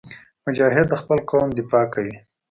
مجاهد د خپل قوم دفاع کوي.